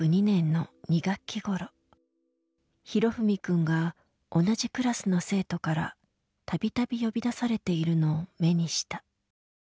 裕史くんが同じクラスの生徒から度々呼び出されているのを目にした。